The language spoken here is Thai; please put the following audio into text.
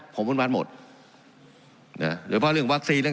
ผมวุ้นวันหมดนะฮะหรือเพราะว่าเรื่องวัคซีนเนี้ย